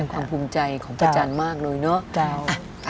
ความภูมิใจของพระจันทร์มากเลยเนาะ